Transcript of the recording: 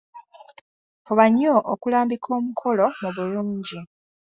Fuba nnyo okulambika omukolo mu bulungi.